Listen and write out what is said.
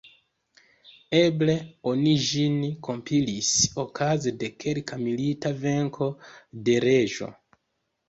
Eble oni ĝin kompilis okaze de kelka milita venko de reĝo.